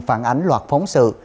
phản ánh loạt phóng sự